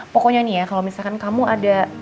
pokoknya nih ya kalau misalkan kamu ada